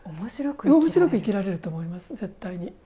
おもしろく生きられると思います絶対に。